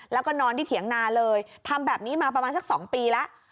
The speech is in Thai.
แล้วก็นอนที่เถียงนาเลยทำแบบนี้มาประมาณสัก๒ปีแล้ว